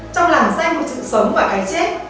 trong làng danh của sự sống và cái chết